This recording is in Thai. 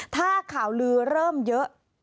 ถ้าข่าวลือเริ่มเยอะ